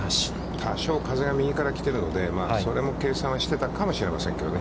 多少、風が右から来ているのでそれも計算してたかもしれませんけどね。